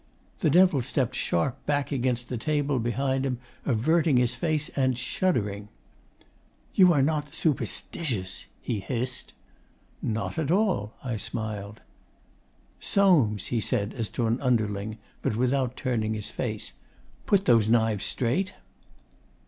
The Devil stepped sharp back against the table behind him, averting his face and shuddering. 'You are not superstitious!' he hissed. 'Not at all,' I smiled. 'Soames!' he said as to an underling, but without turning his face, 'put those knives straight!